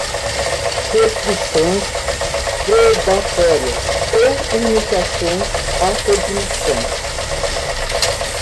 restrições probatórias ou limitações à cognição